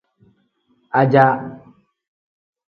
Ajaa.